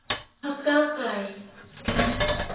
พรรคก้าวไกล